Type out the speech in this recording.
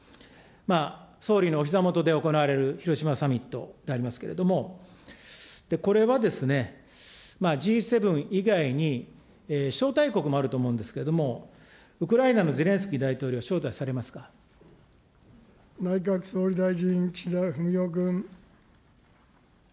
総理のおひざもとで行われる広島サミットでありますけれども、これはですね、Ｇ７以外に招待国もあると思うんですけれども、ウクライナのゼレ内閣総理大臣、岸田文雄君。